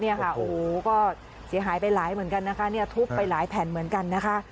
เนี่ยค่ะโอ้โหก็เสียหายไปหลายเหมือนกันนะคะเนี่ยทุบไปหลายแผ่นเหมือนกันนะคะ